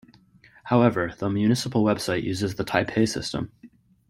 However, the municipal website uses the Taipei system.